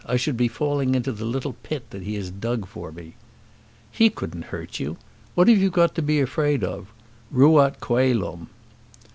I should be falling into the little pit that he has dug for me." "He couldn't hurt you. What have you got to be afraid of? Ruat coelum."